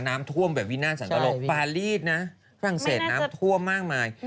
น้ำท่วมแบบวินาทสันตโลกปารีสนะฝรั่งเศสน้ำท่วมมากมาย